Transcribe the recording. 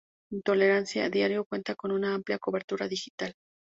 Intolerancia Diario cuenta con una amplia cobertura digital.